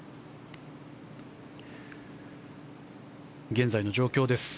現在の状況です。